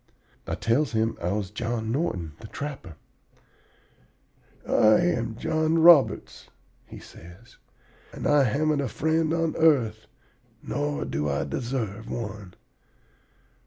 "I tells him I was John Norton, the trapper. "'I am John Roberts,' he says, 'and I haven't a friend on the earth, nor do I deserve one.